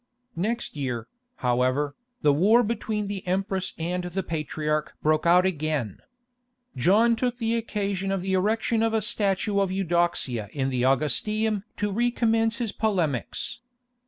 Next year, however, the war between the empress and the patriarch broke out again. John took the occasion of the erection of a statue of Eudoxia in the Augustaeum to recommence his polemics.